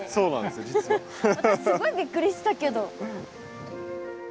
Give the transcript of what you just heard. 私すごいびっくりしたけど。